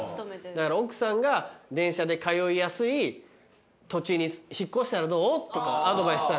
だから奥さんが電車で通いやすい土地に引っ越したらどう？とかアドバイスした。